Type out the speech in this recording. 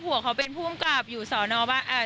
ตัวแทนเองก็รู้สึกผิดว่า